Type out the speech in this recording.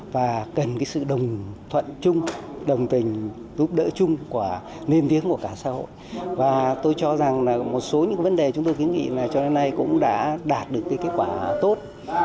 và cần sự đồng thuận chung đồng tình giúp đỡ chung của nền tiếng của cả xã hội và tôi cho rằng là một số những vấn đề chúng tôi kiến nghị là cho đến nay cũng đã đạt được kết quả tốt